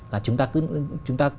là chúng ta cứ